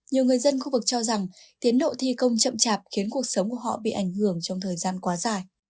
nhiều người dân khu vực cho rằng tiến độ thi công chậm chạp khiến cuộc sống của họ bị ảnh hưởng trong thời gian quá dài